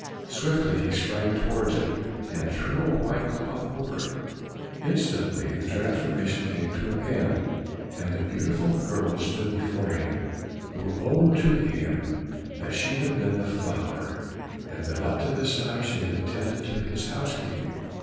Swiftly he sprang towards it, and threw a white cloth over it. Instantly the transformation came to an end, and a beautiful girl stood before him, who owned to him that she had been the flower, and that up to this time she had attended to his housekeeping.